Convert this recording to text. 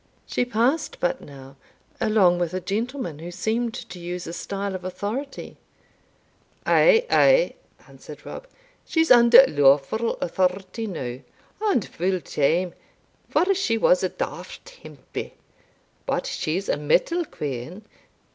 She passed but now, along with a gentleman who seemed to use a style of authority." "Ay, ay," answered Rob, "she's under lawfu' authority now; and full time, for she was a daft hempie But she's a mettle quean.